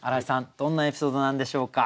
どんなエピソードなんでしょうか？